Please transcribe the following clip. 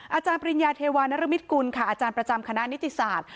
อาจารย์ปริญญาเทวานรมิตกุลค่ะอาจารย์ประจำคณะนิติศาสตร์